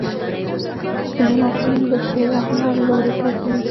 ځینې محصلین د شعر یا هنر لوري ته ځي.